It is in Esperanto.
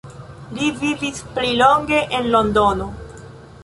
Li vivis pli longe en Londono.